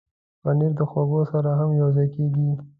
پنېر د خواږو سره هم یوځای کېږي.